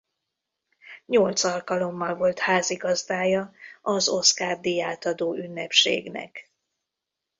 Nyolc alkalommal volt házigazdája az Oscar-díj átadó ünnepségnek.